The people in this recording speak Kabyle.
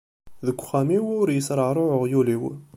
Deg uxxam-iw ur yesreɛruɛ uɣyul-iw!